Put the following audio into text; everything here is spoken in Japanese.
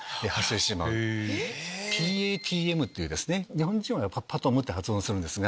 日本人はＰＡＴＭって発音するんですが。